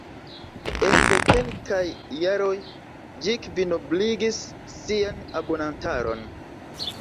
Ene de kelkaj jaroj ĝi kvinobligis sian abonantaron.